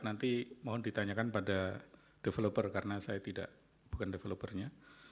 nanti mohon ditanyakan pada developer karena saya bukan developernya